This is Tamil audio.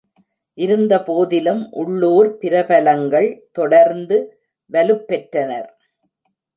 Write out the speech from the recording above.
இருந்தபோதிலும், உள்ளூர் பிரபலங்கள் தொடர்ந்து வலுப்பெற்றனர்.